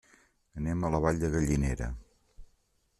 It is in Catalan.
Anem a la Vall de Gallinera.